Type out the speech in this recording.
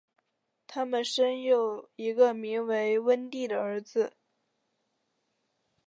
他们生有一个名叫温蒂的儿子。